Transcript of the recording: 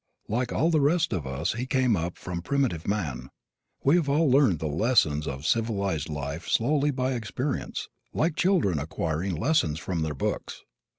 Like all the rest of us he came up from primitive man. We have all learned the lessons of civilized life slowly by experience like children acquiring lessons from their books.